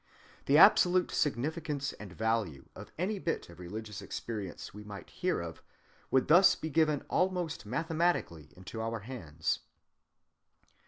The absolute significance and value of any bit of religious experience we might hear of would thus be given almost mathematically into our hands.